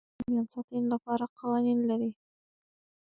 افغانستان د بامیان د ساتنې لپاره قوانین لري.